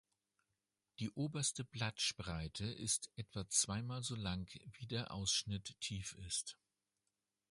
Die oberste Blattspreite ist etwa zweimal so lang wie der Ausschnitt tief ist.